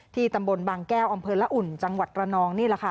ตำบลบางแก้วอำเภอละอุ่นจังหวัดระนองนี่แหละค่ะ